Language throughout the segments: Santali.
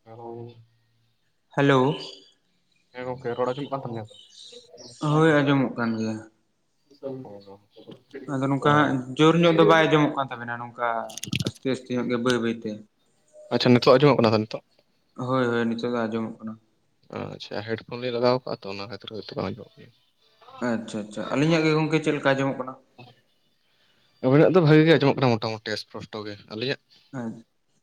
[unintelligible] ᱦᱮᱞᱳ ᱦᱮᱸ ᱜᱚᱝᱠᱮ ᱨᱚᱲ ᱟᱸᱡᱚᱢᱚᱜ ᱠᱟᱱ ᱛᱟᱞᱤᱧᱟ ᱛᱚ? ᱦᱳᱭ ᱟᱸᱡᱚᱢᱚᱜ ᱠᱟᱱ ᱜᱮᱭᱟ ᱾ [unintelligible] ᱟᱫᱚ ᱛᱚ ᱱᱚᱝᱠᱟ ᱦᱟᱸᱜ ᱡᱳᱨ ᱧᱚᱜ ᱫᱚ ᱵᱟᱭ ᱟᱸᱚᱢᱚᱜ ᱠᱟᱱ ᱛᱟᱵᱮᱱᱟ ᱱᱚᱝᱠᱟ ᱾ ᱟᱥᱛᱮ ᱟᱥᱛᱮ ᱧᱚᱜ ᱜᱮ ᱵᱟᱹᱭ ᱵᱟᱹᱭ ᱛᱮ ᱾ ᱟᱪᱪᱷᱟ ᱱᱤᱛᱚᱜ ᱟᱸᱡᱚᱢᱚᱜ ᱠᱟᱱᱟ ᱱᱤᱛᱚᱜ ᱦᱳᱭ ᱦᱳᱭ ᱱᱤᱛᱚᱜ ᱫᱚ ᱟᱸᱡᱚᱢᱚᱜ ᱠᱟᱱᱟ ᱚ ᱟᱪᱪᱷᱟ ᱦᱮᱰᱯᱷᱳᱱ ᱞᱤᱧ ᱞᱟᱜᱟᱣ ᱟᱠᱟᱫ ᱟ ᱛᱚ ᱚᱱᱟ ᱠᱷᱟᱹᱛᱤᱨ ᱵᱮᱥ ᱴᱷᱤᱠ ᱵᱟᱭ ᱟᱸᱡᱚᱢᱚᱜ ᱠᱟᱱᱟ᱾ ᱟᱪᱪᱷᱟ ᱟᱪᱪᱷᱟ ᱟᱹᱞᱤᱧᱟᱜ ᱜᱮ ᱜᱚᱝᱠᱮ ᱪᱮᱫ ᱞᱮᱠᱟ ᱟᱸᱡᱚᱢᱚᱜ ᱠᱟᱱᱟ? ᱟᱹᱵᱤᱱᱟᱜ ᱫᱚ ᱵᱷᱟᱹᱜᱤ ᱜᱮ ᱟᱸᱡᱚᱢᱚᱜ ᱠᱟᱱᱟ ᱢᱚᱴᱟᱢᱩᱴᱤ ᱤᱥᱯᱚᱥᱴᱚ ᱜᱮ ᱟᱹᱞᱤᱧᱟᱜ ᱜᱮ ᱟᱸᱦ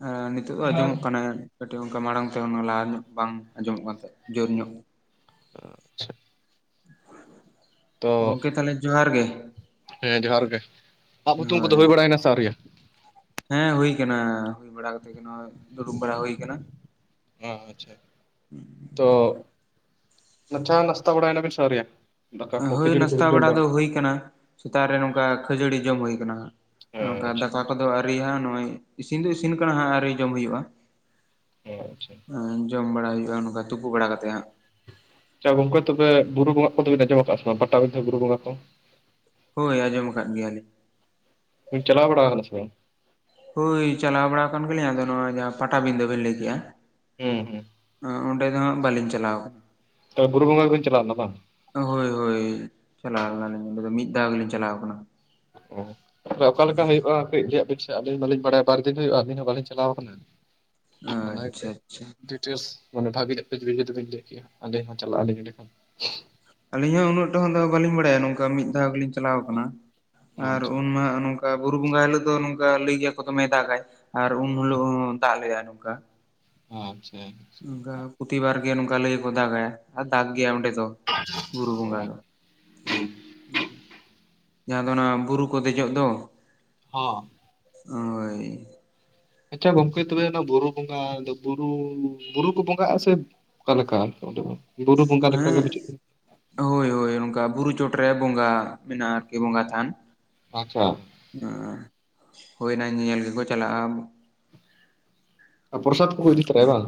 ᱟᱸᱦ ᱱᱤᱛᱚᱜ ᱫᱚ ᱟᱸᱡᱚᱢᱚᱜ ᱠᱟᱱᱟ ᱠᱟᱹᱴᱤᱡ ᱚᱱᱠᱟ ᱢᱟᱲᱟᱝ ᱛᱮ ᱞᱟᱦᱟ ᱧᱚᱜ ᱵᱟᱝ ᱟᱸᱡᱚᱢᱚᱜ ᱠᱟᱱ ᱛᱟᱦᱮᱸ ᱡᱳᱨ ᱧᱚᱜ ᱟᱪᱪᱷᱟ ᱛᱚ ᱜᱚᱝᱠᱮ ᱛᱟᱦᱚᱞᱮ ᱡᱚᱦᱟᱨ ᱜᱮ ᱦᱮᱸ ᱡᱚᱦᱟᱨ ᱜᱮ ᱟᱯ ᱦᱩᱛᱩᱢ ᱠᱚᱫᱚ ᱦᱳᱭ ᱦᱩᱭ ᱵᱟᱲᱟᱭᱮᱱᱟ ᱥᱮ ᱟᱹᱨᱤᱭᱟ? ᱦᱮᱸ ᱦᱩᱭ ᱟᱠᱟᱱᱟ ᱦᱩᱭ ᱵᱟᱲᱟ ᱠᱟᱛᱮ ᱜᱮ ᱫᱩᱲᱩᱵ ᱵᱟᱲᱟ ᱦᱩᱭ ᱟᱠᱟᱱᱟ ᱚ ᱟᱪᱪᱷᱟ ᱾ ᱛᱚ ᱪᱟ ᱱᱟᱥᱛᱟ ᱵᱟᱲᱟᱭᱮᱱᱟ ᱵᱤᱱ ᱥᱮ ᱟᱹᱣᱨᱤᱭᱟ ᱫᱟᱠᱟ ᱠᱚ ᱦᱳᱭ ᱠᱷᱟᱹᱡᱟᱹᱲᱤ ᱱᱟᱥᱛᱟ ᱠᱚᱵᱤᱱ ᱡᱚᱢ ᱵᱟᱲᱟ ᱫᱚ ᱦᱩᱭ ᱟᱠᱟᱱᱟ ᱥᱮᱛᱟᱜ ᱨᱮ ᱱᱚᱝᱠᱟ ᱠᱷᱟᱹᱡᱟᱹᱲᱤ ᱡᱚᱢ ᱦᱩᱭ ᱟᱠᱟᱱᱟ ᱱᱚᱝᱠᱟ ᱟᱪᱪᱷᱟ ᱫᱟᱠᱟ ᱠᱚᱫᱚ ᱟᱨ ᱱᱚᱜᱼᱚᱭ ᱤᱥᱤᱱ ᱫᱚ ᱤᱥᱤᱱ ᱟᱠᱟᱱᱟ ᱟᱣᱨᱤ ᱡᱚᱢ ᱦᱩᱭᱩᱜᱼᱟ᱾ ᱚ ᱟᱪᱪᱷᱟ ᱡᱚᱢ ᱵᱟᱲᱟ ᱦᱩᱭᱩᱜᱼᱟ ᱱᱚᱝᱠᱟ ᱛᱩᱯᱩ ᱵᱟᱲᱟ ᱠᱟᱛᱮ ᱟᱦ ᱟᱪ ᱜᱚᱝᱠᱮ ᱛᱚᱵᱮ ᱵᱩᱨᱩ ᱵᱚᱸᱜᱟ ᱠᱚᱫᱚ ᱵᱤᱱ ᱟᱸᱡᱚᱢ ᱟᱠᱟᱫᱼᱟ ᱥᱮ ᱵᱟᱝ ᱯᱟᱴᱟᱵᱤᱫᱷᱟᱹ ᱵᱩᱨᱩ ᱵᱚᱸᱜᱟ ᱠᱚ ᱦᱳᱭ ᱟᱸᱡᱚᱢ ᱟᱠᱟᱫ ᱜᱮᱭᱟᱞᱤᱧ ᱪᱟᱞᱟᱣ ᱵᱟᱲᱟ ᱟᱠᱟᱱᱟ ᱥᱮ ᱵᱟᱝ ᱦᱳᱭ ᱪᱟᱞᱟᱣ ᱵᱟᱲᱟ ᱟᱠᱟᱱ ᱜᱮᱞᱤᱧ ᱟᱫᱚ ᱱᱚᱣᱟ ᱡᱟᱦᱟᱸ ᱯᱟᱴᱟᱵᱤᱸᱫᱟᱹ ᱵᱮᱱ ᱞᱟᱹᱭ ᱠᱮᱫᱼᱟ ᱦᱮᱸ ᱦᱮᱸ ᱚᱸᱰᱮ ᱫᱚ ᱵᱟᱞᱤᱧ ᱪᱟᱞᱟᱣ ᱟᱠᱱᱟ ᱛᱚ ᱵᱩᱨᱩ ᱵᱳᱸᱜᱟ ᱵᱤᱱ ᱪᱟᱞᱟᱣ ᱟᱠᱟᱱᱟ ᱵᱟᱝ ᱦᱳᱭ ᱦᱳᱭ ᱪᱟᱞᱟᱣ ᱞᱮᱱᱟᱞᱤᱧ ᱚᱸᱰᱮ ᱫᱚ ᱢᱤᱫ ᱫᱷᱟᱣ ᱜᱮᱞᱤᱧ ᱪᱟᱞᱟᱣ ᱟᱠᱟᱱᱟ ᱚᱦ ᱛᱮ ᱚᱠᱟᱞᱮᱠᱟ ᱦᱩᱭᱩᱜᱼᱟ [unintelligible] ᱟᱹᱞᱤᱧ ᱵᱟᱞᱤᱧ ᱵᱟᱲᱟᱭᱟ ᱵᱟᱨ ᱫᱤᱱ ᱦᱩᱭᱩᱜᱼᱟ ᱟᱹᱞᱤᱧ ᱦᱚᱸ ᱵᱟᱹᱞᱤᱧ ᱪᱟᱞᱟᱣ ᱟᱠᱟᱱᱟ ᱚᱱᱟ ᱟᱪᱪᱷᱟ ᱟᱪᱪᱷᱟ ᱜᱮ ᱛᱮᱥ ᱚᱱᱮ ᱵᱷᱟᱹᱜᱤ ᱡᱤᱵᱤᱱ ᱞᱟᱹᱭ ᱠᱮᱭᱟ ᱟᱹᱞᱤᱧ ᱦᱚᱸ ᱪᱟᱞᱟᱜ ᱟᱹᱞᱤᱧ ᱚᱸᱰᱮ ᱠᱷᱚᱱ ᱟᱹᱞᱤᱧ ᱦᱚᱸ ᱩᱱᱟᱹᱜ ᱴᱷᱟ. ᱠᱟ. ᱫᱚ ᱵᱟᱹᱞᱤᱧ ᱵᱟᱲᱟᱭᱟ ᱱᱚᱝᱠᱟ ᱢᱤᱫ ᱫᱷᱟᱣ ᱜᱮᱞᱤᱧ ᱪᱟᱞᱟᱣ ᱟᱠᱟᱱᱟ ᱟᱨ ᱟᱪᱪᱷᱟ ᱩᱱᱢᱟ ᱱᱚᱝᱠᱟ ᱵᱩᱨᱩ ᱵᱚᱸᱜᱟ ᱦᱤᱞᱳᱜ ᱫᱚ ᱱᱚᱝᱠᱟ ᱞᱟᱹᱭ ᱜᱮᱭᱟ ᱠᱚ ᱫᱚᱢᱮ ᱫᱟᱜᱟᱭ ᱟᱨ ᱩᱱ ᱦᱤᱞᱳᱜ ᱫᱟᱜ ᱞᱮᱼᱟᱭ ᱱᱚᱝᱠᱟ ᱟᱪᱪᱷᱟ ᱚᱱᱠᱟ ᱯᱨᱚᱛᱤᱵᱟᱨ ᱜᱮ ᱱᱚᱝᱠᱟ ᱞᱟᱹᱭ ᱠᱚ ᱫᱟᱜᱟᱭ ᱟᱨ ᱫᱟᱜᱽ ᱜᱮᱭᱟᱭ ᱚᱸᱰᱮ ᱫᱚ ᱵᱩᱨᱩ ᱵᱚᱸᱜᱟ ᱨᱮᱫᱚ ᱡᱟᱦᱟᱸ ᱫᱚ ᱚᱱᱟ ᱵᱩᱨᱩ ᱠᱚ ᱫᱮᱡᱚᱜ ᱫᱚ ᱦᱳᱸ ᱦᱳᱭ ᱟᱪᱪᱷᱟ ᱜᱚᱝᱠᱮ ᱛᱚᱵᱮ ᱚᱱᱟ ᱵᱩᱨᱩ ᱵᱚᱸᱜᱟ ᱨᱮᱫᱚ ᱵᱩᱨᱩ ᱵᱩᱨᱩ ᱠᱚ ᱵᱚᱸᱜᱟᱼᱟ ᱥᱮ ᱚᱠᱟ ᱞᱮᱠᱟ ᱚᱸᱛᱮ ᱫᱚ ᱵᱩᱨᱩ ᱵᱚᱸᱜᱟ ᱦᱮᱸ ᱞᱮᱠᱟ ᱜᱮ ᱵᱩᱡᱷᱟ. ᱠᱟᱱᱟ ᱦᱳᱭ ᱦᱳᱭ ᱱᱚᱝᱠᱟ ᱵᱩᱨᱩ ᱪᱚᱴ ᱨᱮ ᱵᱚᱸᱜᱟ ᱢᱮᱱᱟᱜᱼᱟ ᱟᱨᱠᱤ ᱵᱚᱸᱜᱟ ᱛᱷᱟᱱ ᱟᱪᱪᱷᱟ ᱦ ᱚᱱᱟ ᱧᱮᱧᱮᱞ ᱜᱮᱠᱚ ᱪᱟᱞᱟᱜᱼᱟ ᱯᱨᱚᱥᱟᱫᱽ ᱠᱚᱠᱚ ᱤᱫᱤ ᱟᱨᱠᱤ ᱛᱟᱨᱟᱭᱟ ᱵᱟᱝ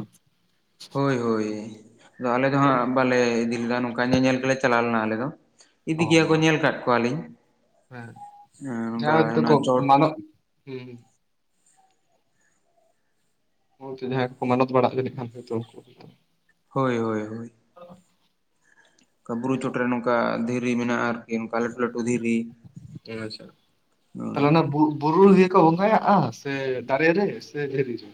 ᱦᱳᱭ ᱦᱳᱭ ᱟᱫᱚ ᱟᱞᱮ ᱫᱚ ᱦᱟᱸᱜ ᱵᱟᱞᱮ ᱤᱫᱤ ᱞᱮᱫᱟ ᱱᱚᱝᱠᱟ ᱵᱚᱠᱟ ᱧᱮᱧᱮᱞ ᱜᱮᱞᱮ ᱪᱟᱞᱟᱣ ᱞᱮᱱᱟ ᱟᱞᱮ ᱫᱚ ᱤᱫᱤ ᱚ ᱜᱮᱭᱟ ᱠᱚ ᱧᱮᱞ ᱟᱠᱟᱫ ᱠᱚᱣᱟᱞᱤᱧ ᱦᱮᱸ ᱱᱚᱝᱠᱟ ᱪᱚᱴ ᱦᱮᱸ ᱦᱳᱭᱛᱳ ᱡᱟᱦᱟᱸᱭ ᱠᱚᱠᱚ ᱢᱟᱱᱚᱛ ᱵᱟᱲᱟᱜ ᱠᱷᱟᱱ ᱩᱱᱠᱩ ᱦᱳᱭ ᱦᱳᱭ ᱦᱳᱭ ᱠᱟ ᱵᱩᱨᱩ ᱪᱚᱴᱨᱮ ᱱᱚᱝᱠᱟ ᱫᱷᱤᱨᱤ ᱢᱮᱱᱟᱜᱼᱟ ᱟᱨᱠᱤ ᱱᱚᱝᱠᱟ ᱞᱟᱹᱴᱩ ᱞᱟᱹᱴᱩ ᱫᱷᱤᱨᱤ ᱟᱪᱪᱷᱟ ᱦᱳᱭ ᱛᱟᱦᱚᱞᱮ ᱚᱱᱟ ᱵᱩ ᱵᱩᱨᱩ ᱨᱮ ᱵᱚᱸᱜᱟ ᱭᱟᱜᱼᱟ ᱥᱮ ᱫᱟᱨᱮ ᱨᱮ ᱥᱮ ᱫᱷᱤᱨᱤ ᱨᱮ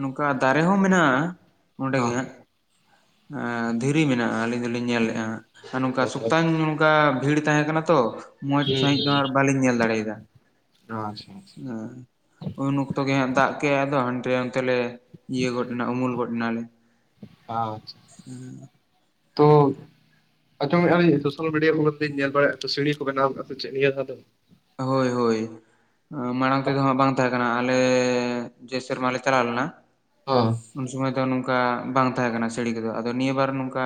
ᱱᱚᱝᱠᱟ ᱫᱟᱨᱮ ᱦᱚᱸ ᱢᱮᱱᱟᱜᱼᱟ ᱱᱚᱸᱰᱮ ᱜᱮ ᱦᱚᱸ ᱦᱟ ᱮ ᱸᱫᱷᱤᱨᱤ ᱢᱮᱱᱟᱜᱼᱟ ᱟᱹᱞᱤᱧ ᱫᱚᱞᱤᱧ ᱧᱮᱞ ᱞᱮᱜᱼᱟ ᱟᱨ ᱱᱚᱝᱠᱟ ᱦᱩᱸ ᱥᱚᱛᱟᱱ ᱚᱱᱫᱟ ᱵᱷᱤᱲ ᱛᱟᱦᱮᱸ ᱠᱟᱱᱟ ᱛᱚ ᱢᱚᱸᱡᱽ ᱥᱟᱹᱦᱤᱡ ᱫᱚ ᱵᱟᱞᱤᱧ ᱧᱮᱞ ᱫᱟᱲᱮᱭᱟᱫᱟ ᱚ ᱟᱪᱪᱷᱟ ᱟᱪᱪᱷᱟ ᱟᱸ ᱩᱱ ᱚᱠᱛᱚ ᱜᱮ ᱦᱟᱸᱜ ᱫᱟᱜ ᱠᱮᱫ ᱟᱫᱚ ᱦᱟᱱᱛᱮ ᱚᱱᱛᱮ ᱞᱮ ᱤᱭᱟᱹ ᱜᱚᱫ ᱮᱱᱟ ᱩᱢᱩᱞ ᱜᱚᱫ ᱮᱱᱟᱞᱮ ᱟᱪᱷᱟ ᱩᱸ ᱛᱚ ᱟᱸᱡᱚᱢᱮᱫᱼᱟᱤᱧ ᱥᱳᱥᱟᱞ ᱢᱤᱰᱤᱭᱟ ᱠᱚᱨᱮᱜᱮᱧ ᱧᱮᱞ ᱵᱟᱲᱟᱭᱼᱟ ᱛᱚ ᱥᱤᱨᱮᱤ ᱠᱚ ᱵᱮᱱᱟᱣᱠᱟᱫᱼᱟ ᱥᱮᱪᱮᱫ ᱱᱤᱭᱟᱹ ᱫᱷᱟ ᱫᱚ ᱦᱳᱭ ᱦᱳᱭ ᱢᱟᱲᱟᱝ ᱛᱮᱫᱚ ᱦᱟᱸᱜ ᱵᱟᱝ ᱛᱟᱦᱮᱸ ᱠᱟᱱᱟ ᱟᱞᱮ ᱡᱮ ᱥᱮᱨᱢᱟ ᱞᱮ ᱪᱟᱞᱟᱣ ᱞᱮᱱᱟ ᱚ ᱩᱱ ᱥᱚᱢᱚᱭ ᱫᱚ ᱱᱚᱝᱠᱟ ᱵᱟᱝ ᱛᱟᱦᱮᱸ ᱠᱟᱱᱟ ᱥᱟᱹᱲᱤ ᱠᱚᱫᱚ ᱟᱫᱚ ᱱᱤᱭᱟᱹ ᱵᱟᱨ ᱱᱚᱝᱠᱟ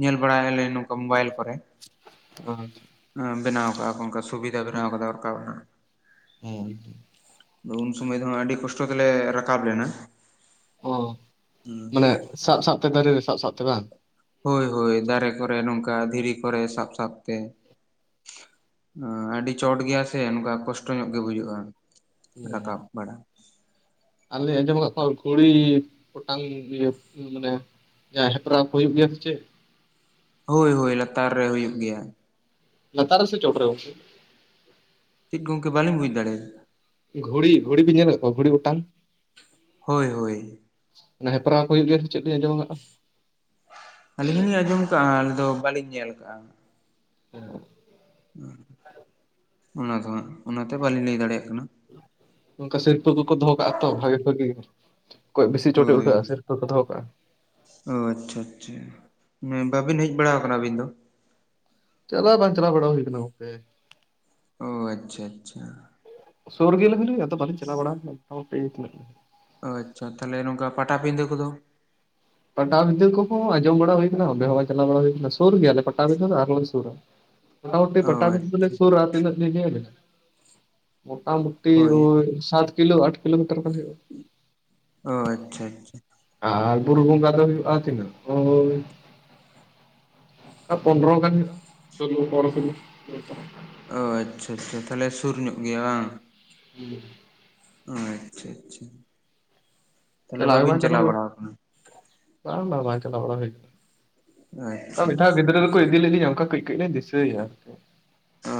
ᱧᱮᱞ ᱵᱟᱲᱟᱭᱟᱞᱮ ᱱᱚᱝᱠᱟ ᱢᱳᱵᱟᱭᱤᱞ ᱠᱚᱨᱮ ᱚ ᱵᱮᱱᱟᱣ ᱠᱟᱜᱼᱟ ᱠᱚ ᱚᱱᱠᱟ ᱥᱩᱵᱤᱫᱷᱟ ᱵᱮᱱᱟᱣ ᱠᱟᱫᱟ ᱨᱟᱠᱟᱵ ᱨᱮᱱᱟᱜ ᱦᱩᱸ ᱟᱫᱚ ᱩᱱ ᱥᱚᱢᱚᱭ ᱫᱚ ᱦᱟᱸᱜ ᱟᱹᱰᱤ ᱠᱚᱥᱴᱚ ᱛᱮᱞᱮ ᱨᱟᱠᱟᱵ ᱞᱮᱱᱟ ᱚ ᱢᱟᱱᱮ ᱥᱟᱵ ᱥᱟᱵ ᱛᱮ ᱫᱟᱨᱮ ᱨᱮ ᱥᱟᱵ ᱥᱟᱵ ᱛᱮ ᱵᱟᱝ ᱦᱳᱭ ᱦᱳᱭ ᱫᱟᱨᱮ ᱠᱚᱨᱮ ᱱᱚᱝᱠᱟ ᱫᱷᱤᱨᱤ ᱠᱚᱨᱮ ᱥᱟᱵ ᱥᱟᱵ ᱛᱮ ᱩᱸ ᱟᱹᱰᱤ ᱪᱚᱴ ᱜᱮᱭᱟ ᱥᱮ ᱱᱚᱝᱠᱟ ᱠᱚᱥᱴᱚ ᱧᱚᱜ ᱜᱮ ᱵᱩᱡᱷᱟᱹᱜᱼᱟ ᱦᱮᱸ ᱟᱹᱞᱤᱧ ᱟᱸᱡᱚᱢ ᱟᱠᱟᱫ ᱠᱚᱣᱟ ᱜᱷᱩᱲᱤ ᱚᱴᱟᱝ ᱤᱭᱟᱹ ᱢᱟᱱᱮ ᱡᱟ ᱦᱮᱯᱨᱟᱣ ᱠᱚ ᱦᱩᱭᱩᱜ ᱜᱮᱭᱟ ᱥᱮ ᱪᱮᱫ? ᱦᱳᱭ ᱦᱳᱭ ᱞᱟᱛᱟᱨ ᱨᱮ ᱦᱩᱭᱩᱜ ᱜᱮᱭᱟ ᱞᱟᱛᱟᱨ ᱨᱮ ᱥᱮ ᱪᱚᱴ ᱨᱮ ᱜᱚᱝᱠᱮ? ᱪᱤᱫ ᱜᱚᱝᱠᱮ ᱵᱟᱞᱤᱧ ᱵᱩᱡᱽ ᱫᱟᱲᱮᱭᱟᱫᱟ ᱾ ᱜᱷᱩᱲᱤ ᱜᱷᱩᱲᱤ ᱵᱤᱱ ᱧᱮᱞ ᱟᱠᱟᱫ ᱠᱚᱣᱟ ᱜᱷᱩᱲᱤ ᱚᱴᱟᱝ? ᱦᱳᱭ ᱦᱳᱭ ᱚᱱᱟ ᱦᱮᱯᱨᱟᱣ ᱠᱚ ᱦᱩᱭᱩᱜ ᱜᱮᱭᱟ ᱥᱮ ᱪᱮᱫ ᱞᱤᱧ ᱟᱸᱡᱚᱢ ᱠᱟᱜᱼᱟ ᱟᱹᱞᱤᱧ ᱦᱚᱞᱤᱧ ᱟᱸᱡᱚᱢ ᱟᱠᱟᱜᱼᱟ ᱟᱞᱤᱧ ᱫᱚ ᱵᱟᱹᱞᱤᱧ ᱧᱮᱞ ᱟᱠᱟᱜᱼᱟ [unintelligible] ᱦᱩᱸ ᱚᱱᱟ ᱫᱚ ᱦᱟᱸᱜ ᱚᱱᱟᱛᱮ ᱵᱟᱹᱞᱤᱧ ᱞᱟᱹᱭ ᱫᱟᱲᱮᱭᱟᱜ ᱠᱟᱱᱟ ᱚᱱᱠᱟ ᱥᱤᱨᱯᱟᱹ ᱠᱚᱠᱚ ᱫᱚᱦᱚ ᱠᱟᱜᱼᱟ ᱛᱚ ᱵᱷᱟᱜᱤ ᱵᱷᱟᱜᱤ ᱚᱠᱚᱭ ᱵᱮᱥᱤ ᱪᱚᱴᱮ ᱦᱳᱭ ᱩᱰᱷᱟᱹᱜᱼᱟ ᱥᱤᱨᱯᱟᱹ ᱠᱚ ᱫᱚᱦᱚ ᱠᱟᱜᱼᱟ ᱚ ᱟᱪᱪᱷᱟ ᱟᱪᱪᱷᱟ ᱵᱟᱵᱤᱱ ᱦᱮᱡ ᱵᱟᱲᱟ ᱟᱠᱟᱱᱟ ᱟᱹᱵᱤᱱ ᱫᱚ? ᱪᱟᱞᱟᱣ ᱵᱟᱝ ᱪᱟᱞᱟᱣ ᱵᱟᱲᱟ ᱦᱩᱭ ᱠᱟᱱᱟ ᱜᱚᱝᱠᱮ᱾ ᱚ ᱟᱪᱪᱷᱟ ᱟᱪᱪᱷᱟ ᱥᱳᱨ ᱜᱮ ᱨᱮᱦᱚᱞᱤᱧ ᱟᱫᱚ ᱵᱟᱞᱤᱧ ᱪᱟᱞᱟᱣ ᱵᱟᱲᱟ ᱟᱠᱟᱱᱟ ᱚ ᱟᱪᱪᱷᱟ ᱛᱟᱦᱚᱞᱮ ᱱᱚᱝᱠᱟ ᱯᱟᱴᱟᱵᱤᱸᱫᱷᱟᱹ ᱠᱚᱫᱚ ᱯᱟᱴᱟᱵᱷᱤᱸᱫᱟᱹ ᱠᱚᱦᱚᱸ ᱟᱡᱚᱢ ᱵᱟᱲᱟ ᱦᱩᱭ ᱠᱟᱱᱟ ᱚᱰᱮᱦᱚᱸ ᱵᱟᱝ ᱪᱟᱞᱟᱣ ᱵᱟᱲᱟ ᱦᱩᱭ ᱠᱟᱱᱟ ᱥᱩᱨ ᱜᱮᱭᱟᱞᱮ ᱯᱟᱴᱟᱵᱤᱫᱟᱹ ᱫᱚ ᱟᱨᱦᱚ ᱞᱮ ᱥᱩᱨᱟ [inaudible] ᱢᱚᱴᱟᱢᱩᱴᱤ ᱯᱟᱴᱟᱵᱷᱤᱸᱫᱟ. ᱟᱪᱪᱷᱟ ᱫᱚᱞᱤᱧ ᱥᱩᱨᱟ ᱛᱤᱱᱟ‌ᱹᱜ ᱞᱤᱧ ᱞᱟ. ᱭ ᱟᱵᱤᱱᱟ ᱢᱚᱴᱟᱢᱩ ᱼᱼ ᱴᱤ ᱦᱳᱭ ᱳᱭ ᱥᱟᱛ ᱠᱤᱞᱳ ᱟᱴ ᱠᱤᱞᱳᱢᱤᱴᱟᱨ ᱜᱟᱱ ᱦᱳᱭᱳᱜᱼᱟ ᱚ ᱟᱪᱪᱷᱟ ᱟᱪᱪᱷᱟ ᱟᱨ ᱵᱩᱨᱩ ᱵᱚᱸᱜᱟ ᱫᱚ ᱦᱩᱭᱩᱜᱼᱟ ᱛᱤᱱᱟᱹᱜ ᱳᱭ ᱯᱚᱱᱨᱚ ᱜᱟᱱ ᱦᱳᱭᱳᱜᱼᱟ ᱥᱚᱞᱳ ᱯᱚᱱᱨᱚ ᱥᱚᱞᱳ ᱚ ᱟᱪᱪᱷᱟ ᱟᱪᱪᱷᱟ ᱛᱟᱦᱚᱞᱮ ᱥᱩᱨ ᱧᱚᱜ ᱜᱮᱭᱟ ᱵᱟᱝ ᱦᱩᱸ ᱟᱪᱪᱷᱟ ᱟᱪᱪᱷᱟ ᱛᱟᱦᱚᱞᱮ ᱪᱟᱞᱟᱣ ᱜᱮ ᱵᱟᱝ ᱵᱟᱹᱵᱤᱱ ᱪᱟᱞᱟᱣ ᱵᱟᱲᱟ ᱟᱠᱟᱱᱟ ᱵᱟᱝ, ᱵᱟᱝ ᱵᱟᱝ ᱪᱟᱞᱟᱣ ᱵᱟᱲᱟ ᱦᱩᱭ ᱚᱱᱠᱟ ᱟᱪᱪᱷᱟ ᱢᱤᱫ ᱫᱷᱟᱣ ᱟᱪᱪᱷᱟ ᱜᱤᱫᱽᱨᱟᱹ ᱨᱮᱠᱚ ᱤᱫᱤ ᱞᱤᱫᱤᱧᱟ ᱚᱱᱠᱟ ᱠᱟᱹᱡ ᱠᱟᱹᱡ ᱞᱤᱧ ᱫᱤᱥᱟᱹᱭᱟ ᱟᱨᱠᱤ ᱚᱻ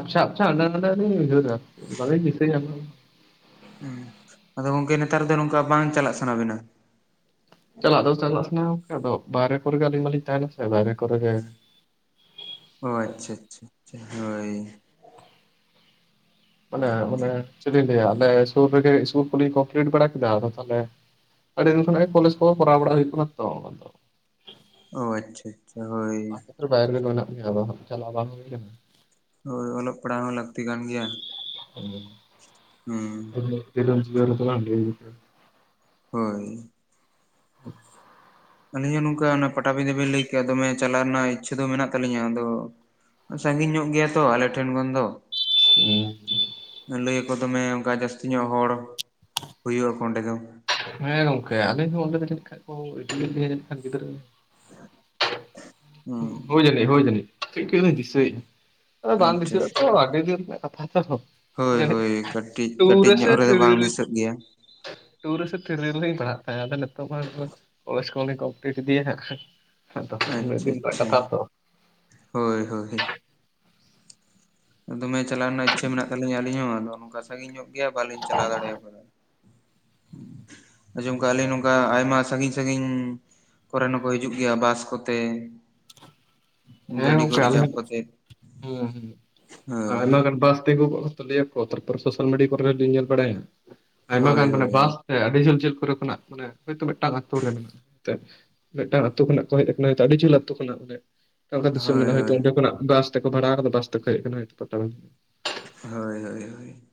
ᱟᱯᱪᱷᱟ ᱟᱯᱪᱷᱟ [unintelligible] ᱩᱭᱦᱟᱹᱨᱟ ᱵᱟᱞᱤᱧ ᱫᱤᱥᱟᱹᱭᱟ ᱦᱮ ᱟᱫᱚ ᱜᱚᱝᱠᱮ ᱱᱮᱛᱟᱨ ᱫᱚ ᱱᱚᱝᱠᱟ ᱵᱟᱝ ᱪᱟᱞᱟᱜ ᱥᱟᱱᱟ ᱵᱤᱱᱟ? ᱪᱟᱞᱟᱜ ᱟᱫᱚ ᱪᱟᱞᱟᱜ ᱥᱟᱱᱟᱣᱟ ᱟᱫᱚ ᱵᱟᱦᱨᱮ ᱠᱚᱨᱮ ᱜᱮ ᱟᱹᱞᱤᱧ ᱢᱟᱞᱤᱧ ᱛᱟᱦᱮᱱᱟ ᱥᱮ ᱵᱟᱦᱨᱮ ᱠᱚᱨᱮ ᱜᱮ ᱚ ᱟᱪᱪᱷᱟ ᱟᱪᱪᱷᱟ ᱟᱪᱪᱷᱟ ᱦᱳᱭ ᱢᱟᱱᱮ ᱪᱮᱫ ᱤᱧ ᱞᱟᱹᱭᱟ ᱟᱞᱮ ᱥᱩᱨ ᱨᱮᱜᱮ ᱤᱥᱠᱩᱞ ᱠᱚ ᱞᱤᱧ ᱠᱚᱢᱯᱞᱤᱴ ᱵᱟᱲᱟ ᱠᱮᱫᱟ ᱟᱫᱚ ᱛᱟᱦᱚᱞᱮ ᱟᱹᱰᱤ ᱫᱤᱱ ᱠᱷᱚᱱᱟᱜ ᱠᱚᱞᱮᱡᱽ ᱠᱚ ᱠᱚᱨᱟᱣ ᱵᱟᱲᱟ ᱦᱩᱭᱩᱜ ᱠᱟᱱᱟ ᱛᱚ ᱚ ᱟᱪᱪᱷᱟ ᱟᱪᱪᱷᱟ ᱦᱳᱭ ᱚᱱᱟ ᱵᱟᱭᱨᱮ ᱨᱮᱜᱮ ᱢᱮᱱᱟᱜ ᱞᱤᱧᱟ ᱟᱫᱚ ᱦᱟᱜ ᱪᱟᱞᱟᱜ ᱵᱟᱝ ᱦᱩᱭ ᱞᱮᱱᱟ ᱦᱳᱭ ᱚᱞᱚᱜ ᱯᱟᱲᱦᱟᱣ ᱦᱚᱸ ᱞᱟᱹᱠᱛᱤ ᱠᱟᱱ ᱜᱮᱭᱟ ᱦᱩᱸ ᱦᱮᱸ [unintelligible] ᱦᱳᱭ [inaudible] ᱟᱹᱞᱤᱧ ᱦᱚᱸ ᱱᱚᱝᱠᱟ ᱚᱱᱟ ᱯᱟᱴᱟᱵᱤᱸᱫᱷᱟᱹ ᱵᱤᱱ ᱞᱟᱹᱭ ᱠᱮᱫᱼᱟ ᱫᱚᱢᱮ ᱪᱟᱞᱟᱜ ᱨᱮᱱᱟᱜ ᱤᱪᱪᱷᱟᱹ ᱫᱚ ᱢᱮᱱᱟᱜ ᱛᱟᱹᱞᱤᱧᱟ ᱟᱫᱚ ᱥᱟᱺᱜᱤᱧ ᱧᱚᱜ ᱜᱮᱭᱟ ᱛᱚ ᱟᱞᱮ ᱴᱷᱮᱱ ᱠᱷᱚᱱ ᱫᱚ ᱦᱮᱸ ᱞᱟᱹᱭ ᱟᱠᱚ ᱫᱚᱢᱮ ᱚᱱᱠᱟ ᱡᱟᱹᱥᱛᱤ ᱧᱚᱜ ᱦᱚᱲ ᱦᱩᱭᱩᱜ ᱟᱠᱚ ᱚᱸᱰᱮ ᱫᱚ ᱦᱮᱸ ᱜᱚᱝᱠᱮ ᱟᱹᱞᱤᱧ ᱦᱚᱸ ᱚᱸᱰᱮ [unintelligible] ᱠᱷᱟᱡ ᱠᱚ ᱤᱫᱤ ᱤᱫᱤ ᱠᱷᱟᱱ ᱜᱤᱫᱽᱨᱟᱹ ᱦᱩᱸ ᱦᱚᱭ ᱡᱟᱹᱱᱤᱡ [unintelligible] ᱵᱟᱝ ᱫᱤᱥᱟᱹ ᱟᱪᱪᱷᱟ ᱟᱪᱪᱷᱟ ᱟᱛᱚ ᱟᱹᱰᱤ ᱫᱤᱱ ᱨᱮᱱᱟᱜ ᱠᱟᱛᱷᱟ ᱛᱚ, ᱦᱳᱭ ᱡᱟᱹᱱᱤᱡ ᱦᱳᱭ ᱠᱟᱹᱴᱤᱡ ᱴᱩ ᱠᱟᱹᱴᱤᱡ ᱨᱮᱥᱮ ᱧᱚᱜ ᱨᱮᱫᱚ ᱛᱷᱨᱤ ᱵᱟᱝ ᱨᱮ ᱫᱤᱥᱟᱹᱜ ᱜᱮᱭᱟ, ᱴᱩ ᱨᱮᱥᱮ ᱛᱷᱤᱨᱤᱞᱤᱧ ᱯᱟᱲᱦᱟᱜ ᱛᱟᱦᱮᱸᱱᱟ ᱟᱫᱚ ᱱᱤᱛᱚᱜ ᱢᱟᱼᱼ ᱠᱚᱞᱮᱡᱽ ᱠᱚᱦᱚᱸᱞᱤᱧ ᱠᱚᱢᱯᱞᱤᱴ ᱤᱫᱤᱭᱟ ᱱᱷᱟᱜ [unintelligible] ᱦᱮᱸ ᱦᱳᱭ ᱦᱳᱭ ᱫᱚᱢᱮ ᱪᱟᱞᱟᱣ ᱨᱮᱱᱟᱜ ᱤᱪᱪᱷᱟᱹ ᱢᱮᱱᱟᱜ ᱛᱟᱹᱞᱤᱧᱟ ᱟᱹᱞᱤᱧ ᱦᱚᱸ ᱟᱫᱚ ᱱᱚᱝᱠᱟ ᱥᱟᱺᱜᱤᱧ ᱧᱚᱜ ᱜᱮᱭᱟ ᱵᱟᱹᱞᱤᱧ ᱪᱟᱞᱟᱣ ᱫᱟᱲᱮᱭᱟᱼᱜ ᱯᱟᱞᱮᱫ ᱟᱸᱡᱚᱢ ᱟᱠᱟᱜ ᱞᱤᱧ ᱱᱚᱝᱠᱟ ᱟᱭᱢᱟ ᱥᱟᱺᱜᱤᱧ ᱥᱟᱺᱜᱤᱧᱻ ᱠᱚᱨᱮᱱ ᱦᱚᱸᱠᱚ ᱦᱤᱡᱩᱜ ᱜᱮᱭᱟ ᱵᱟᱥ ᱠᱚᱛᱮ ᱦᱮᱸ ᱜᱟᱹᱰᱤ ᱠᱚ ᱜᱚᱝᱠᱮ [unintelligible] ᱦᱮᱸ ᱨᱤᱡᱟᱵᱷ ᱠᱟᱛᱮᱫ ᱟᱭᱢᱟ ᱜᱟᱱ ᱵᱟᱥ ᱛᱤᱸᱜᱩ ᱠᱚᱜᱼᱼ ᱞᱟᱹᱭ ᱟᱠᱚ ᱛᱟᱨᱯᱚᱨ ᱥᱳᱥᱟᱞ ᱢᱤᱰᱤᱭᱟ ᱠᱚᱨᱮ ᱞᱤᱧ ᱧᱮᱞ ᱵᱟᱲᱟᱭᱟ ᱟᱭᱢᱟ ᱦᱳᱭ ᱜᱟᱱ ᱢᱟᱱᱮ ᱦᱳᱭ ᱦᱳᱭ ᱵᱟᱥᱼᱼ ᱟᱹᱰᱤ ᱡᱷᱟᱹᱞ ᱡᱷᱟᱹᱞ ᱠᱚᱨᱮ ᱠᱷᱚᱱᱟᱜ ᱢᱟᱱᱮ ᱦᱚᱭᱛᱳ ᱢᱤᱫᱴᱟᱹᱝ ᱟᱹᱛᱳ ᱨᱮ ᱢᱮᱱᱟᱜᱼᱟ ᱢᱮᱱᱛᱮ ᱢᱤᱫᱴᱟᱹᱝ ᱟᱹᱛᱳ ᱠᱷᱚᱱᱟᱜ ᱠᱚ ᱦᱮᱡ ᱟᱠᱟᱱᱟ [unintelligible] ᱟᱹᱰᱤ ᱡᱷᱟᱹᱞ ᱟᱹᱛᱳ ᱠᱷᱚᱱᱟᱜ ᱢᱟᱱᱮ ᱚᱱᱠᱟᱼᱚᱱᱠᱟ ᱦᱳᱭ ᱫᱤᱥᱚᱢ ᱢᱮᱱᱟᱜᱼᱟ ᱦᱚᱭᱛᱚ ᱦᱳᱭ ᱚᱱᱛᱮ ᱠᱷᱚᱱᱟᱜ ᱵᱟᱥ ᱛᱮᱠᱚ ᱵᱷᱟᱲᱟ ᱵᱟᱥ ᱛᱮᱠᱚ ᱦᱮᱡ [unintelligible] ᱦᱳᱭ ᱦᱳᱭ ᱦᱳᱭ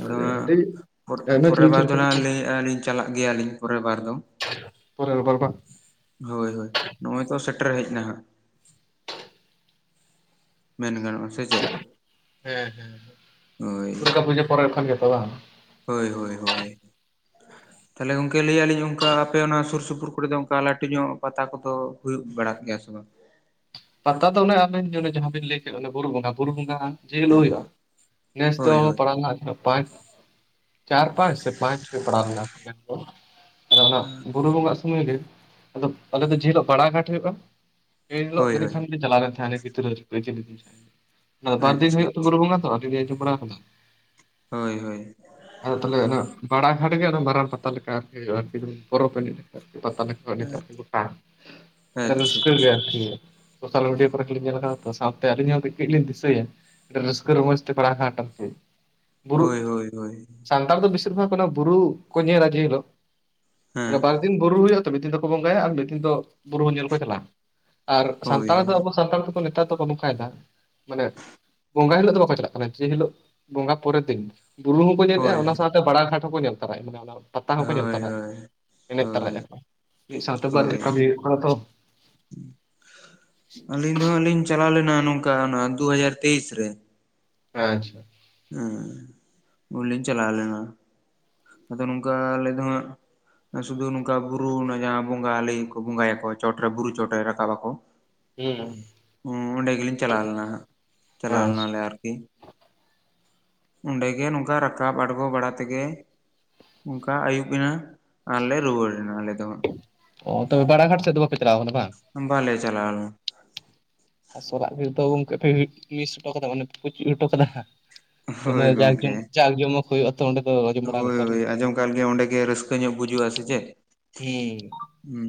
ᱟᱫᱚ ᱦᱟᱸᱜ ᱟᱹᱰᱤ ᱟᱭᱢᱟ ᱯᱚᱨᱮ ᱡᱷᱟᱹᱞ ᱵᱟᱨ ᱡᱷᱟᱹᱞ ᱫᱚ ᱠᱷᱚᱱᱟᱜ ᱦᱟᱸᱜ ᱠᱚ ᱞᱟᱹᱭᱮᱫᱼᱞᱤᱧ ᱪᱟᱞᱟᱜ ᱜᱮᱭᱟᱞᱤᱧ ᱯᱚᱨᱮ ᱵᱟᱨ ᱫᱚ ᱯᱚᱨᱮᱞ ᱵᱟᱨ ᱵᱟᱝ ᱦᱳᱭ ᱦᱳᱭ ᱱᱚᱜᱼᱚᱭ ᱛᱚ ᱥᱮᱴᱮᱨ ᱦᱮᱡ ᱮᱱᱟ ᱦᱟᱸᱜ ᱢᱮᱱ ᱜᱟᱱᱚᱜᱼᱟ ᱥᱮ ᱪᱮᱫ ᱦᱮᱸ ᱦᱮᱸ ᱦᱳᱭ ᱫᱩᱨᱜᱟ ᱯᱩᱡᱟᱹ ᱯᱚᱨᱮᱨ ᱠᱷᱟᱱ ᱜᱮ ᱛᱚ ᱵᱟᱝ, ᱦᱳᱭ ᱦᱳᱭ ᱦᱳᱭ ᱛᱟᱦᱚᱞᱮ ᱜᱚᱝᱠᱮ ᱞᱟᱹᱭᱮᱜᱼᱟᱹᱞᱤᱧ ᱚᱱᱠᱟ ᱟᱯᱮ ᱚᱱᱟ ᱥᱩᱨ ᱥᱩᱯᱩᱨ ᱠᱚᱨᱮ ᱫᱚ ᱚᱱᱠᱟ ᱞᱟᱹᱴᱩ ᱧᱚᱜ ᱯᱟᱛᱟ ᱠᱚᱫᱚ ᱦᱩᱭᱩᱜ ᱵᱟᱲᱟᱜ ᱜᱮᱭᱟ ᱥᱮ ᱵᱟᱝ ᱯᱟᱛᱟ ᱫᱚ ᱚᱱᱮ ᱟᱵᱮᱱ ᱚᱱᱮ ᱡᱟᱦᱟᱸᱵᱤᱱ ᱞᱟᱹᱭ ᱠᱮᱫ ᱵᱩᱨᱩ ᱵᱚᱸᱜᱟ ᱵᱩᱨᱩ ᱵᱚᱸᱜᱟᱼᱼ [unintelligible] ᱱᱮᱥ ᱫᱚ ᱦᱳᱭ ᱦᱳᱭ [unintelligible] ᱯᱟᱸᱪ ᱪᱟᱨ ᱯᱟᱸᱪ ᱥᱮ ᱯᱟᱸᱪ ᱯᱟᱲᱟᱣ ᱞᱮᱱᱟᱼᱼ ᱟᱫᱚ ᱚᱱᱟ ᱵᱩᱨᱩ ᱵᱚᱸᱜᱟᱜ ᱥᱩᱢᱟᱹᱭ ᱨᱮ ᱟᱫᱚ ᱟᱞᱮ ᱫᱚ ᱡᱮ ᱦᱤᱞᱚᱜ ᱯᱟᱲᱟ ᱜᱷᱟᱴ ᱦᱩᱭᱩᱜᱼᱟ ᱦᱳᱭ ᱤᱱᱟᱹ ᱦᱳᱭ ᱠᱷᱟᱱ ᱜᱮ ᱪᱟᱞᱟᱣᱮᱱ ᱛᱟᱦᱮᱱᱟ ᱩᱱᱤ ᱜᱤᱫᱽᱨᱟᱹ [unintelligible] ᱚᱱᱟ ᱫᱚ ᱵᱟᱨ ᱫᱤᱱ ᱟᱪᱪᱷᱟ ᱦᱩᱭᱩᱜᱼᱟ ᱛᱚ ᱟᱪᱪᱷᱟ ᱵᱩᱨᱩ ᱵᱚᱸᱜᱟ ᱛᱚ ᱡᱮ [unintelligible] ᱟᱸᱡᱚᱢ ᱵᱟᱲᱟ ᱟᱠᱟᱫᱟ ᱦᱳᱭ ᱦᱳᱭ ᱟᱫᱚ ᱛᱟᱦᱚᱞᱮ ᱚᱱᱟ ᱵᱟᱲᱟ ᱜᱷᱟᱴ ᱜᱮ ᱢᱟᱨᱟᱝ ᱯᱟᱛᱟ ᱞᱮᱠᱟ ᱟᱨᱠᱤ ᱦᱩᱭᱩᱜᱼᱟ ᱯᱚᱨᱚᱵᱽ ᱮᱱᱮᱡ ᱟᱨᱠᱤ ᱯᱟᱛᱟ ᱞᱮᱠᱟ [unintelligible] ᱟᱹᱰᱤ ᱟᱪᱪᱷᱟ ᱨᱟᱹᱥᱠᱟᱹ ᱜᱮ ᱟᱪᱪᱷᱟ ᱟᱨ ᱠᱤ ᱥᱳᱥᱟᱞ ᱢᱤᱰᱤᱭᱟ ᱠᱚᱨᱮ ᱜᱮᱞᱤᱧ ᱧᱮᱞ ᱟᱠᱟᱫᱟ ᱛᱚ ᱥᱟᱶᱛᱮ ᱟᱹᱞᱤᱧ ᱦᱚᱸ ᱠᱟᱹᱡᱼᱠᱟᱹᱡ ᱞᱤᱧ ᱫᱤᱥᱟᱹᱭᱟ ᱨᱟᱹᱥᱠᱟᱹ ᱨᱚᱢᱚᱡᱽ ᱛᱮ ᱵᱟᱲᱟ ᱜᱷᱟᱴ ᱟᱨ ᱪᱮᱫ ᱦᱳᱭ ᱦᱳᱭ ᱦᱳᱭ ᱥᱟᱱᱛᱟᱲ ᱫᱚ ᱵᱮᱥᱤᱨ ᱵᱷᱟᱜᱽ ᱵᱩᱨᱩ ᱠᱚ ᱧᱮᱞᱟ ᱡᱮ ᱦᱤᱞᱚᱜ ᱚᱱᱟ ᱦᱮᱸ [unintelligible] ᱢᱤᱫ ᱫᱤᱱ ᱵᱩᱨᱩ ᱦᱩᱭᱩᱜᱼᱟ ᱛᱚ ᱢᱤᱫ ᱫᱤᱱ ᱫᱚᱠᱚ ᱵᱚᱸᱜᱟᱭᱟ ᱟᱨ ᱢᱤᱫ ᱫᱤᱱ ᱫᱚ ᱵᱩᱨᱩ ᱧᱮᱞ ᱠᱚ ᱪᱟᱞᱟᱜᱼᱟ ᱟᱨ ᱦᱳᱭ ᱥᱟᱱᱛᱟᱲ ᱫᱚ ᱦᱳᱭ ᱟᱵᱚ ᱥᱟᱱᱛᱟᱲ ᱫᱚᱠᱚ ᱱᱮᱛᱟᱨ ᱫᱚᱠᱚ ᱱᱚᱝᱠᱟᱭᱮᱫᱟ ᱢᱟᱱᱮ ᱵᱚᱸᱜᱟ ᱦᱤᱞᱚᱜ ᱫᱚ ᱵᱟᱠᱚ ᱪᱟᱞᱟᱜ ᱠᱟᱱᱟ ᱡᱮ ᱦᱤᱞᱚᱜ ᱵᱚᱸᱜᱟ ᱯᱚᱨᱮᱨ ᱫᱤᱱ ᱵᱩᱨᱩ ᱦᱚᱸᱠᱚ ᱧᱮᱞᱮᱫᱼᱟ ᱦᱳᱭ ᱚᱱᱟ ᱥᱟᱶᱛᱮ ᱵᱟᱲᱟ ᱜᱷᱟᱴ ᱦᱚᱸᱠᱚ ᱧᱮᱞ ᱛᱟᱨᱟᱭᱮᱫᱼᱟ ᱢᱟᱱᱮ ᱯᱟᱛᱟ ᱦᱚᱸᱠᱚ ᱧᱮᱞ ᱦᱳᱭ ᱛᱚᱨᱟᱭᱟ ᱦᱳᱭ ᱮᱱᱮᱡ ᱛᱟᱨᱟᱭᱮᱫ ᱦᱳᱭ ᱟᱠᱚ ᱢᱤᱫ ᱥᱟᱶᱛᱮ ᱵᱟᱨᱭᱟ ᱦᱳᱭ ᱠᱟᱹᱢᱤ ᱦᱩᱭᱩᱜ ᱠᱟᱱᱟ ᱛᱚ ᱟᱹᱞᱤᱧ ᱫᱚ ᱦᱟᱸᱜ ᱞᱤᱧ ᱪᱟᱞᱟᱣ ᱞᱮᱱᱟ ᱱᱚᱝᱠᱟ ᱫᱩ ᱦᱟᱡᱟᱨ ᱛᱮᱭᱤᱥ ᱨᱮ, ᱟᱪᱪᱷᱟ ᱦᱮᱸ [unintelligible] ᱞᱤᱧ ᱪᱟᱞᱟᱣ ᱞᱮᱱᱟ ᱟᱫᱚ ᱱᱚᱝᱠᱟ ᱟᱞᱮ ᱫᱚ ᱦᱟᱸᱜ ᱟᱨ ᱥᱩᱫᱷᱩ ᱱᱚᱝᱠᱟ ᱵᱩᱨᱩ ᱚᱱᱟ ᱡᱟᱦᱟᱸ ᱵᱚᱸᱜᱟ ᱞᱟᱹᱭ ᱠᱚ ᱵᱚᱸᱜᱟᱭᱟᱠᱚ ᱪᱚᱴᱨᱮ ᱵᱩᱨᱩ ᱪᱚᱴᱨᱮ ᱨᱟᱠᱟᱵ ᱟᱠᱚ [inaudible] ᱦᱩᱸ ᱦᱩᱸ ᱚᱰᱮᱸ ᱜᱮᱞᱤᱧ ᱪᱟᱞᱣ ᱞᱮᱱᱟ ᱦᱟᱸᱜ, ᱪᱟᱞᱣ ᱟᱪᱪᱷᱟ ᱞᱮᱱᱟ ᱟᱨᱠᱤ ᱚᱸᱰᱮᱜᱮ ᱱᱚᱝᱠᱟ ᱨᱟᱠᱟᱵ ᱟᱬᱜᱚ ᱵᱟᱲᱟ ᱛᱮᱜᱮ ᱚᱝᱠᱟ ᱟᱹᱭᱩᱵ ᱮᱱᱟ ᱟᱨᱞᱮ ᱨᱩᱣᱟᱹᱲ ᱮᱱᱟ ᱟᱞᱮ ᱫᱚ ᱦᱟᱸᱜ ᱚ, ᱛᱚᱵᱮ ᱵᱟᱲᱟᱷᱟᱴ ᱥᱮᱫ ᱫᱚ ᱵᱟᱯᱮ ᱪᱟᱞᱟᱣ ᱠᱟᱱᱟ ᱵᱟᱝ ᱵᱟ ᱞᱮ ᱪᱟᱞᱟᱣ ᱞᱮᱱᱟ ᱟᱥᱚᱨᱚᱞᱟᱜ ᱜᱮ ᱛᱚ ᱜᱚᱝᱠᱮ ᱛᱚᱵᱮ ᱢᱤᱥ ᱦᱚᱴᱚ ᱠᱟᱫᱟ ᱢᱟᱱᱮ ᱯᱩᱪᱩᱡ ᱦᱚᱴᱚ ᱠᱟᱫᱟ ᱫᱚᱢᱮ ᱦᱳᱭ ᱡᱟᱠ ᱜᱚᱝᱠᱮ ᱡᱚᱢᱚ ᱡᱟᱠ ᱡᱚᱢᱚᱠ ᱦᱩᱭᱩᱜᱼᱟ ᱟᱛᱚ ᱚᱸᱰᱮ ᱫᱚ ᱟᱸᱡᱚᱢ ᱵᱟᱲᱟ ᱠᱟᱜ ᱦᱳᱭ ᱠᱚᱣᱟᱞᱤᱧ ᱦᱳᱭ ᱟᱸᱡᱚᱢ ᱠᱟᱜ ᱜᱮ ᱚᱸᱰᱮ ᱜᱮ ᱨᱟᱹᱥᱠᱟᱹ ᱧᱚᱜ ᱵᱩᱡᱩᱜ-ᱟ ᱥᱮ ᱪᱮᱫ ᱦᱩᱸ ᱦᱩᱸ,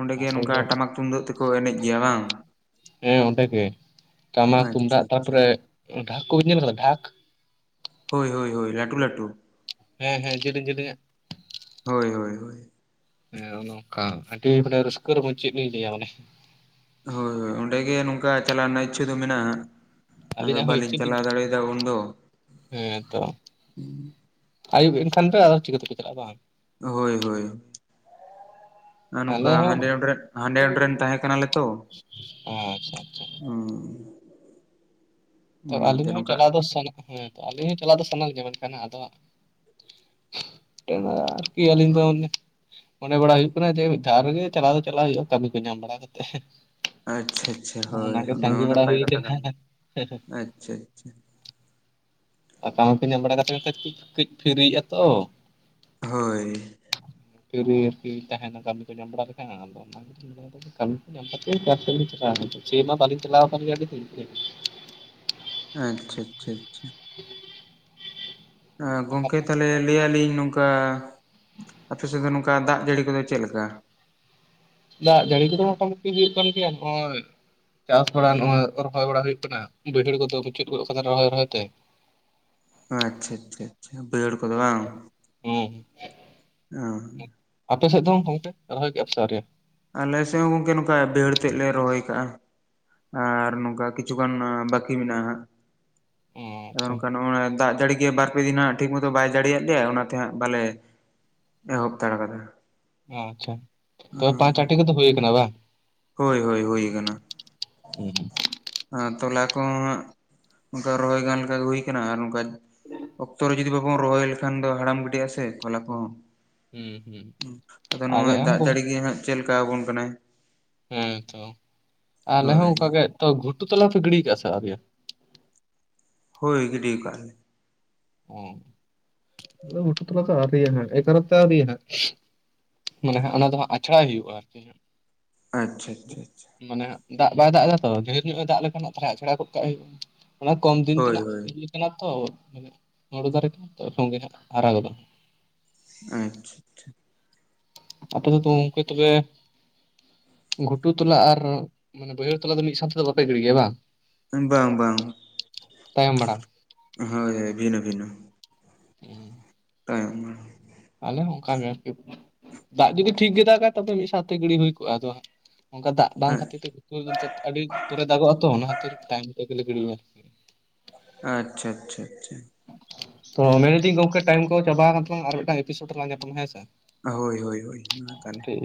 ᱚᱸᱰᱮ ᱜᱮ ᱟᱥᱚᱞ ᱱᱚᱝᱠᱟ ᱫᱚ ᱴᱟᱢᱟᱠ ᱛᱩᱢᱫᱟᱹᱜ ᱛᱮᱠᱚ ᱮᱱᱮᱡ ᱜᱮᱭᱟ ᱵᱟᱝ ᱦᱮᱸ ᱚᱸᱰᱮ ᱜᱮ ᱴᱟᱢᱟᱠ ᱟᱪᱪᱷᱟ ᱛᱩᱢᱫᱟᱜ ᱟᱪᱪᱷᱟ ᱛᱟᱨᱯᱚᱨᱮ ᱰᱷᱟᱠ ᱠᱚ ᱵᱤᱱ ᱧᱮᱞ ᱠᱟᱫᱟ ᱰᱷᱟᱠ ᱦᱳᱭ ᱦᱳᱭ ᱦᱳᱭ ᱞᱟᱹᱴᱩ ᱞᱟᱹᱴᱩ ᱦᱮᱸ ᱦᱮᱸ ᱡᱤᱞᱤᱧ ᱡᱤᱞᱤᱧᱟᱜ ᱦᱳᱭ ᱦᱳᱭ ᱦᱳᱭ ᱦᱮᱸ ᱱᱚᱠᱟ ᱟᱹᱰᱤ ᱢᱟᱱᱮ ᱨᱟᱹᱥᱠᱟᱹ ᱨᱚᱢᱚᱡ ᱪᱮᱫ ᱞᱤᱧ ᱞᱟᱹᱭᱟ ᱢᱟᱱᱮ ᱦᱳᱭ ᱦᱳᱭ ᱚᱸᱰᱮ ᱜᱮ ᱱᱚᱝᱠᱟ ᱪᱟᱞᱟᱣ ᱨᱮᱱᱟᱜ ᱤᱪᱪᱷᱟᱹ ᱫᱚ ᱢᱮᱱᱟᱜᱼᱟ ᱟᱫᱚ ᱟᱹᱞᱤᱧᱟᱜ ᱦᱚᱸ ᱵᱟᱞᱤᱧ ᱤᱪᱪᱷᱟᱹ ᱫᱚ ᱪᱟᱞᱟᱣ ᱫᱟᱲᱮᱭᱟᱫᱟ ᱩᱱᱫᱚ ᱟᱭᱩᱵ ᱮᱱᱠᱷᱟᱱ ᱫᱚ ᱟᱫᱚ ᱪᱤᱠᱟᱹᱛᱮ ᱯᱮ ᱪᱟᱞᱟᱜᱼᱟ ᱵᱟᱝ ᱦᱳᱭ ᱦᱳᱭ ᱟᱨ ᱱᱚᱝᱠᱟ ᱟᱞᱮ ᱦᱚᱸ ᱦᱟᱸᱰᱮ ᱱᱚᱸᱰᱮ ᱨᱮᱱ, ᱦᱟᱸᱰᱮ ᱱᱚᱸᱰᱮ ᱨᱮᱱ ᱛᱟᱦᱮᱸ ᱠᱟᱱᱟᱞᱮ ᱛᱚ ᱟᱪᱪᱷᱟ ᱟᱪᱪᱷᱟ ᱩᱸ ᱛᱚ ᱟᱹᱞᱤᱧ ᱦᱚᱸ ᱪᱟᱞᱟᱣ ᱫᱚ ᱥᱟᱱᱟ ᱦᱮᱸ‌ ᱛᱚ ᱟᱹᱞᱤᱧ ᱦᱚᱸ ᱪᱟᱞᱟᱣ ᱫᱚ ᱥᱟᱱᱟ ᱞᱤᱧᱟᱹ ᱢᱮᱱᱠᱷᱟᱱ ᱟᱫᱚ ᱦᱟᱸᱜ [unintelligible] ᱟᱨᱠᱤ ᱟᱹᱞᱤᱧ ᱫᱚ ᱢᱚᱱᱮ ᱢᱚᱱᱮ ᱵᱟᱲᱟ ᱦᱩᱭᱩᱜ ᱠᱟᱱᱟ ᱡᱮ ᱢᱤᱫ ᱫᱷᱟᱣ ᱨᱮᱜᱮ ᱪᱟᱞᱟᱣ ᱫᱚ ᱪᱟᱞᱟᱜ ᱦᱩᱭᱩᱜᱼᱟ ᱠᱟᱹᱢᱤ ᱠᱚ ᱧᱟᱢ ᱵᱟᱲᱟ ᱠᱟᱛᱮᱫ ᱟᱪᱪᱷᱟ ᱟᱪᱪᱷᱟ ᱦᱳᱭ ᱚᱱᱟ ᱦᱚᱸ ᱵᱟᱲᱟ ᱱᱟᱯᱟᱭ ᱦᱩᱭ ᱠᱟᱛᱷᱟ ᱠᱟᱱ ᱠᱟᱱᱟ ᱜᱮᱭᱟ, ᱟᱪᱷᱟ ᱟᱪᱷᱟ᱾ ᱟᱨ ᱠᱟᱢᱤ ᱠᱚ ᱧᱟᱢ ᱵᱟᱲᱟ ᱠᱟᱛᱮᱫ ᱠᱟᱹᱡ ᱠᱟᱹᱡ ᱯᱷᱤᱨᱤᱜᱼᱟ ᱛᱚ ᱦᱳᱭ ᱯᱷᱤᱨᱤ ᱟᱨᱠᱤ ᱛᱟᱦᱮᱱᱟ ᱠᱟᱢᱤ ᱠᱚ ᱧᱟᱢ ᱵᱟᱲᱟ ᱞᱮᱠᱷᱟᱱ ᱦᱟᱸᱜ ᱟᱫᱚ ᱚᱱᱟ ᱜᱮ ᱢᱮᱱᱫᱟᱞᱤᱧ ᱠᱟᱢᱤ ᱠᱚ ᱧᱟᱢ ᱠᱟᱛᱮ ᱮᱠᱟᱞ ᱛᱮ ᱞᱤᱧ ᱪᱟᱞᱟᱜ-ᱟ ᱡᱟᱸᱜᱟ, ᱥᱮᱹᱭ ᱢᱟ ᱰᱟᱞᱤᱧ ᱪᱟᱞᱟᱣ ᱠᱟᱱ ᱜᱮᱭᱟ ᱟᱹᱰᱤ ᱫᱤᱱ ᱠᱷᱚᱡ ᱟᱪᱪᱷᱟ ᱟᱪᱪᱷᱟ ᱟᱪᱪᱷᱟ [inaudible] ᱜᱚᱝᱠᱮ ᱛᱟᱦᱞᱮ ᱞᱟᱹᱭᱟᱞᱤᱧ ᱱᱚᱝ ᱠᱟ ᱟᱯᱮ ᱥᱮᱫ ᱫᱚ ᱱᱚᱝᱠᱟ ᱫᱟᱜ ᱡᱟᱹᱲᱤ ᱠᱚᱫᱚ ᱪᱮᱫ ᱞᱮᱠᱟ ᱫᱟᱜ ᱡᱟᱹᱲᱤ ᱠᱚᱫᱚ ᱢᱚᱴ ᱢᱩᱴᱤ ᱦᱩᱭᱩᱜ ᱠᱟᱱ ᱜᱮᱭᱟ ᱱᱚᱜᱼᱚᱭ ᱪᱟᱥ ᱵᱟᱲᱟ, ᱱᱚᱜᱼᱚᱭ ᱨᱚᱦᱚᱭ ᱵᱟᱲᱟ ᱦᱩᱭᱩᱜ ᱠᱟᱱᱟ ᱾ ᱵᱟᱹᱭᱦᱟᱹᱲ ᱠᱚᱫᱚ ᱢᱩᱪᱟᱹᱫ ᱜᱚᱫᱚ ᱠᱟᱱᱟ, ᱨᱚᱦᱚᱭ ᱨᱚᱦᱚᱭ ᱛᱮ᱾ ᱟ ᱪᱪᱷᱟ ᱪᱷᱟ ᱪᱷᱟ ᱵᱟᱹᱭᱦᱟᱹᱲ ᱠᱚᱫᱚ ᱵᱟᱝ, ᱦᱩᱸ ᱚᱸᱻ ᱾ ᱟᱯᱮ ᱥᱮᱫ ᱫᱚ ᱜᱚᱝᱠᱮ ᱨᱚᱦᱚᱭ ᱠᱮ-ᱟ ᱯᱮ ᱥᱮ ᱟᱹᱣᱨᱤ? ᱟᱞᱮ ᱥᱮᱫ ᱦᱚᱸ ᱜᱚᱝᱠᱮ ᱱᱚᱝᱠᱟ ᱵᱟᱹᱦᱟᱹᱲ ᱛᱮᱫ ᱞᱮ ᱨᱚᱦᱚᱭ ᱠᱟᱜ-ᱟ᱾ ᱟᱨ ᱱᱚᱝᱠᱟ ᱠᱤᱪᱷᱩ ᱜᱟᱱ ᱵᱟᱠᱤ ᱢᱮᱱᱟᱜ-ᱟ ᱦᱟᱸᱜ᱾ ᱚ ᱟᱫᱚ ᱟᱪᱪᱷᱟ ᱱᱚᱝᱠᱟ ᱱᱚᱜ-ᱚ ᱱᱟ ᱫᱟᱜ ᱡᱟᱹᱲᱤ ᱜᱮ ᱵᱟᱨᱯᱮ ᱫᱤᱱ ᱦᱟᱸᱜ ᱴᱷᱤᱠ ᱢᱚᱛᱚ ᱵᱟᱭ ᱫᱟᱲᱮᱭᱟᱜ ᱞᱮᱭᱟ ᱚᱱᱟᱛᱮ ᱦᱟᱸᱜ ᱵᱟᱞᱮ ᱮᱦᱚᱵᱛᱟᱲ ᱠᱟᱫᱟ᱾ ᱟᱪᱪᱷᱟ, ᱛᱚᱵᱮ ᱯᱟᱸᱪ ᱟᱴᱤ ᱠᱚᱫᱚ ᱦᱩᱭ ᱠᱟᱱᱟ ᱵᱟᱝ? ᱦᱳᱭ ᱦᱳᱭ, ᱦᱩᱭ ᱟᱠᱟᱱᱟ ᱾ ᱟᱨ ᱛᱚᱞᱟ ᱠᱚᱦᱚᱸ ᱦᱟᱸᱜ, ᱚᱱᱠᱟ ᱨᱚᱦᱚᱭ ᱜᱟᱱ ᱞᱮᱠᱟ ᱜᱮ ᱦᱳᱭ ᱠᱟᱱᱟ, ᱟᱨ ᱱᱚᱝᱠᱟ ᱚᱠᱛᱚ ᱨᱮ ᱡᱩᱫᱤ ᱵᱟᱵᱚᱱ ᱨᱚᱦᱚᱭ ᱞᱮᱠᱷᱟᱱ ᱫᱚ, ᱦᱟᱲᱟᱢ ᱜᱤᱰᱤ-ᱟ, ᱥᱮ ᱛᱚᱞᱟ ᱠᱚᱦᱚᱸ᱾ ᱦᱩᱸ ᱦᱩᱸ ᱟᱫᱚ ᱟᱞᱮ ᱱᱚᱜᱼᱚᱭ ᱦᱚᱸ ᱫᱟᱜ ᱜᱚᱝ ᱡᱟᱹᱲᱤ ᱜᱮ ᱦᱟᱸᱜ ᱪᱮᱫᱞᱮᱠᱟ ᱟᱵᱚᱱ ᱠᱟᱱᱟᱭ ᱦᱮᱸ ᱛᱚ, ᱟᱞᱮ ᱦᱚᱸ ᱦᱳᱭ ᱚᱝᱠᱟ ᱜᱮ, ᱛᱚ ᱜᱷᱩᱴᱩ ᱛᱞᱟᱮ ᱯᱮ ᱜᱤᱲᱤ ᱠᱟᱜᱼᱟ ᱥᱮ ᱟᱣᱨᱤᱭᱟ ᱦᱳᱭ ᱜᱤᱰᱤᱣ ᱠᱟᱜ-ᱟ ᱞᱮ ᱚ, [inaudible] ᱟᱫᱚ ᱜᱷᱩᱴᱩ ᱛᱚᱞᱟ ᱫᱚ ᱟᱹᱣᱨ [unintelligible] ᱨᱤᱭᱟ ᱦᱟᱸᱜ ᱮᱠᱟᱨᱚᱱᱛᱮ ᱟ. ᱣᱨᱤ ᱦᱟᱸᱜ, ᱢᱟᱱᱮ ᱦᱟᱸᱜ ᱚᱱᱟ ᱫᱚ ᱦᱟᱸᱜ ᱟᱪᱷᱲᱟᱭ ᱦᱩᱭᱩᱜ-ᱟ ᱟᱨᱠᱤ ᱦᱟᱸᱜ᱾ ᱟᱪᱪᱷᱟ ᱪᱷᱟ ᱪᱷᱟ ᱾ ᱢᱟᱱᱮ, ᱦᱟᱸᱜ ᱫᱟᱜ ᱵᱟᱭ ᱫᱟᱜ ᱮᱫᱟ ᱛᱚ, ᱰᱷᱮᱨ ᱧᱚᱜ-ᱮ ᱫᱟᱜ ᱞᱮᱠᱷᱟᱱ, ᱪᱷᱟᱲᱟ, ᱟᱪᱷᱲᱟ ᱜᱚᱫ ᱠᱟᱜ ᱦᱩᱭᱩᱜᱼᱟ ᱾ ᱚᱱᱟ ᱠᱚᱢ ᱫᱤᱱ ᱦᱳᱭ ᱛᱮᱱᱟᱜ ᱦᱳᱭ ᱠᱟᱱᱟ ᱛᱚ [unintelligible] ᱢᱟᱱᱮ ᱦᱳᱲᱳ ᱫᱟᱨᱮ ᱠᱚᱦᱚᱸ ᱛᱚ, ᱥᱚᱸᱜᱮ ᱦᱟᱸᱜ ᱦᱟᱨᱟ ᱜᱚᱫᱚᱜᱼᱟ ᱾ ᱟᱼᱪᱪᱷᱟ, ᱪᱷᱟ ᱾ ᱟᱯᱮ ᱫᱚ, [unintelligible] ᱛᱚ ᱜᱚᱝᱠᱮ ᱛᱚᱵᱮ ᱜᱷᱩᱴᱩ ᱛᱚᱞᱟ ᱟᱨ, ᱢᱟᱱᱮ ᱵᱟᱹᱭᱦᱟᱹᱲ ᱛᱚᱞᱟ ᱫᱚ ᱢᱤᱫ ᱥᱟᱶ ᱛᱮᱫᱚ, ᱵᱟᱯᱮ ᱜᱤᱲᱤ ᱜᱮᱭᱟ ᱵᱟᱝ? ᱮᱧ, ᱵᱟᱝ ᱵᱟᱝ? ᱛᱟᱭᱚᱢ ᱵᱟᱲᱟ ᱦᱳᱭ, ᱦᱳᱭ, ᱵᱷᱤᱱᱟᱹ ᱵᱷᱤᱱᱟ. ᱾ [unintelligible] [unintelligible] ᱛᱟᱭᱚᱢ ᱱᱟ᱾ ᱟᱞᱮ ᱦᱚᱸ ᱚᱝᱠᱟ ᱜᱮ ᱟᱨᱠᱤ᱾ ᱫᱟᱜ ᱡᱩᱫᱤ ᱴᱷᱤᱠ ᱜᱮ ᱫᱟᱜᱟᱭ, ᱛᱚᱵᱮ ᱢᱤᱫ ᱥᱟᱶᱛᱮ ᱜᱤᱲᱤ ᱦᱳᱭ ᱠᱚᱜᱼᱟ, ᱟᱫᱚ ᱚᱱᱠᱟ ᱫᱟᱜ ᱵᱟᱝ ᱠᱷᱟᱹᱛᱤᱨ ᱛᱮ [unintelligible] ᱟᱹᱰᱤ ᱯᱚᱨᱮ ᱫᱟᱜᱚᱜ-ᱟ ᱛᱚ ᱚᱱᱟ ᱠᱷᱟᱹᱛᱤᱨ ᱛᱟᱭᱚᱢ ᱛᱮᱜᱮᱞᱮ ᱜᱤᱲᱤᱭᱟ᱾ ᱟᱪᱪᱷᱟ ᱪᱷᱟ ᱪᱷᱟ᱾ ᱛᱚ ᱢᱮᱱ ᱤᱫᱤᱧ ᱜᱚᱝᱠᱮ, ᱴᱟᱭᱤᱢ ᱠᱚ ᱪᱟᱵᱟ ᱠᱟᱱ ᱛᱟᱞᱟᱝᱼᱟ, ᱟᱨ ᱢᱤᱫᱴᱟᱝ ᱮᱯᱤᱥᱳᱰ ᱨᱮᱞᱟᱝ ᱧᱟᱯᱟᱢᱟ, ᱦᱮᱸ, ᱥᱮ? ᱦᱳᱭ ᱦᱳᱭ ᱦᱳᱭ ᱢᱟ ᱛᱟᱦᱞᱮ᱾ ᱴᱷᱤᱠ